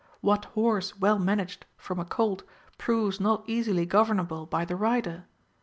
What horse well managed from a colt proves not easily governable by the rider?